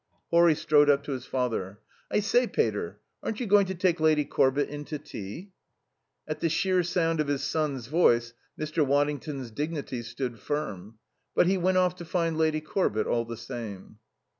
Horry strode up to his father. "I say, pater, aren't you going to take Lady Corbett in to tea?" At the sheer sound of his son's voice Mr. Waddington's dignity stood firm. But he went off to find Lady Corbett all the same.